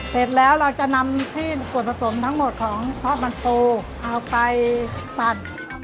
เสร็จแล้วเราจะนำที่ส่วนผสมทั้งหมดของซอสมันปูเอาไปสั่น